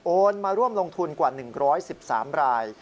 มาร่วมลงทุนกว่า๑๑๓ราย